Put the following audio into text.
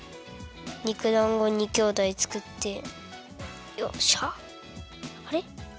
にくだんご２きょうだいつくってよっしゃ。